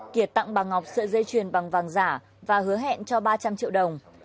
kiệt tặng bà ngọc sợi dây chuyền bằng vàng giả và hứa hẹn cho ba trăm linh triệu đồng